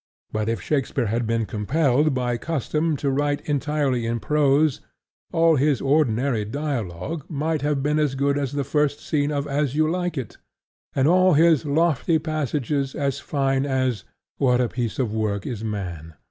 But if Shakespeare had been compelled by custom to write entirely in prose, all his ordinary dialogue might have been as good as the first scene of As You Like It; and all his lofty passages as fine as "What a piece of work is Man!"